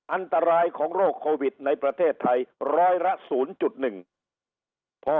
อันตรายของโรคโควิดในประเทศไทยร้อยละ๐๑